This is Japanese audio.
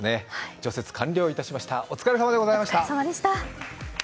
除雪完了いたしましたお疲れさまでございました。